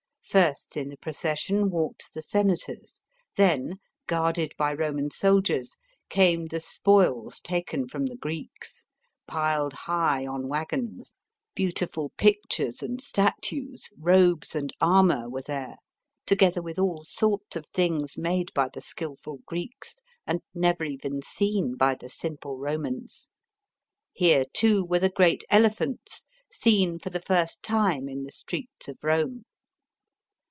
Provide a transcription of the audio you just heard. First in the procession, walked the senators ; then, guarded by Roman soldiers, came the spoils taken from the Greeks, piled high on waggons beautiful pictures and statues, robes and armour, were there ; together with all sorts of things, made by the skilful Greeks and never even seen by the simple Romans. Here, too, were the great elephants, seen for the first time in the streets of Rome.